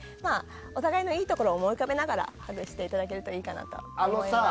お互いのいいところ思い浮かべながらハグをしていただけるといいかなと思います。